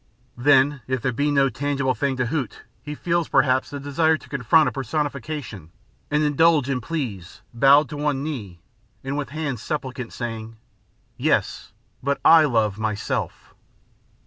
Then, if there be no tangible thing to hoot he feels, perhaps, the desire to confront a personification and indulge in pleas, bowed to one knee, and with hands supplicant, saying: "Yes, but I love myself."